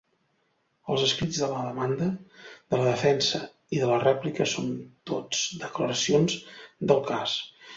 Els escrits de la Demanda, de la Defensa i de la Rèplica són tots declaracions del cas.